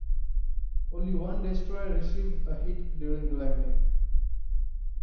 Only one destroyer received a hit during the landing.